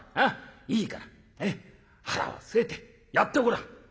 いいから腹を据えてやってごらん」。